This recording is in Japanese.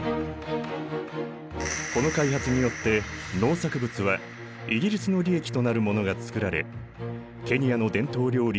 この開発によって農作物はイギリスの利益となる物が作られケニアの伝統料理